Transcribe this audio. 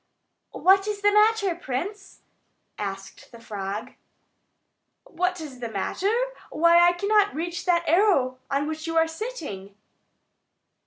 "What is the matter, prince?" asked the frog. "What is the matter? Why, I cannot reach that arrow on which you are sitting."